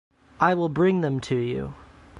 I will bring them to you.